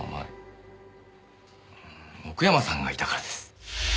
奥山さんがいたからです。